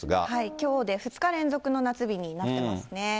きょうで２日連続の夏日になってますね。